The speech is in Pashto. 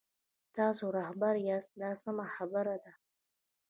تاسو رهبر یاست دا سمه خبره ده.